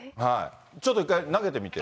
ちょっと一回、投げてみて。